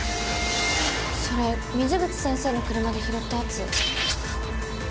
それ水口先生の車で拾ったやつ。